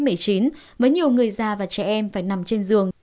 mấy người già và trẻ em phải nằm trên giường